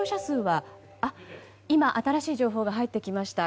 今、新しい情報が入ってきました。